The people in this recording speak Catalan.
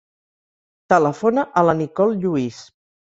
Telefona a la Nicole Lluis.